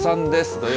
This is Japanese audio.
土曜